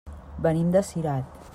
Venim de Cirat.